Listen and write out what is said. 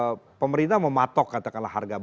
kalau kita lihat ya pemerintah mematok katakanlah harga beras